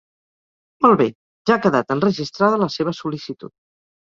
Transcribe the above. Molt bé, ja ha quedat enregistrada la seva sol·licitud.